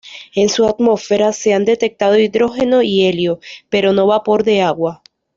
En su atmósfera se han detectado hidrógeno y helio, pero no vapor de agua.